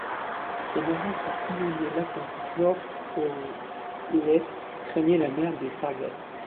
Les marins qui sillonnaient l'Atlantique nord aux et s, craignaient la mer des Sargasses.